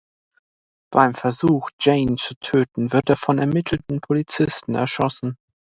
Beim Versuch, Jane zu töten, wird er vom ermittelnden Polizisten erschossen.